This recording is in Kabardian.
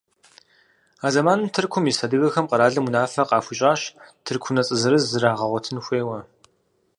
А зэманым Тыркум ис адыгэхэм къэралым унафэ къахуищӏащ тырку унэцӏэ зырыз зрагъэгъуэтын хуейуэ.